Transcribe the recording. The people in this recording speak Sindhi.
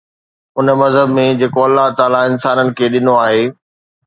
ان مذهب ۾ جيڪو الله تعاليٰ انسانن کي ڏنو آهي